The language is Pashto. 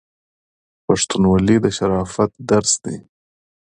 پښتونولي د شرافت درس دی.